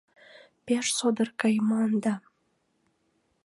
Пеш содор кайыман да...